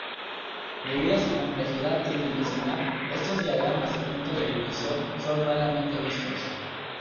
Debido a su complejidad tridimensional, estos diagramas de punto de ebullición son raramente vistos.